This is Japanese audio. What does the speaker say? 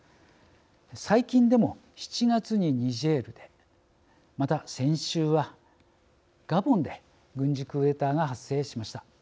最近でも７月にニジェールでまた先週はガボンで軍事クーデターが発生しました。